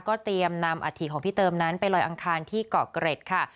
เตรียมนำอาถิของพี่เติมนั้นไปลอยอังคารที่เกาะเกร็ดค่ะ